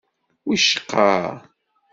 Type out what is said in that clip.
Wicqa.